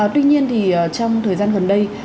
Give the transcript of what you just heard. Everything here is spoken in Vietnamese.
tuy nhiên thì trong thời gian gần đây